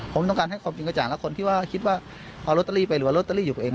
ผมต้องการให้ความจริงกระจ่างและคนที่ว่าคิดว่าเอาลอตเตอรี่ไปหรือว่าลอตเตอรี่อยู่ตัวเอง